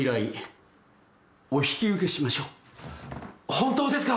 本当ですか？